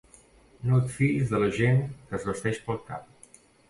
No et fiïs de la gent que es vesteix pel cap.